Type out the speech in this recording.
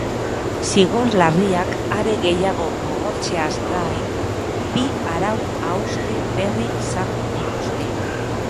Zigor larriak are gehiago gogortzeaz gain, bi arau-hauste berri sartu dituzte.